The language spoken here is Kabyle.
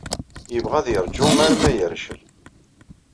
Yebɣa ad yeṛju arma yercel.